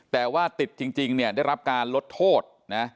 แต่ว่าติดจริงเนี่ยได้รับการลดโทษนะ